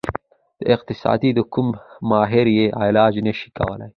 د اقتصاد کوم ماهر یې علاج نشي کولی.